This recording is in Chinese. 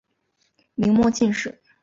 明末进士。